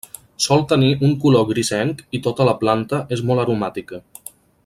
Sol tenir un color grisenc i tota la planta és molt aromàtica.